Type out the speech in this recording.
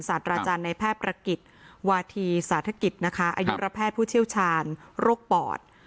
สัตว์ราชาในแพทย์ประกิจวาธีสาธกิจอายุระแพทย์ผู้เชี่ยวชาญโรคปอด